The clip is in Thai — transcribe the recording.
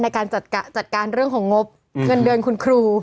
ในการจัดการเรื่องของงบเงินเดือนคุณครู